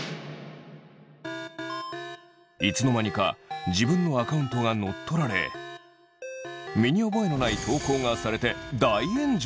いつの間にか自分のアカウントがのっとられ身に覚えのない投稿がされて大炎上！